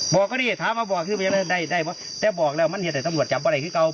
บอกก็ดีถามมาบอกได้แต่บอกแล้วมันเห็นแต่สมรวจจับว่าอะไรคือเขา